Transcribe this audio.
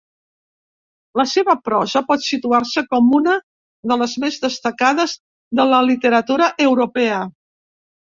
La seva prosa pot situar-se com una de les més destacades de la literatura europea.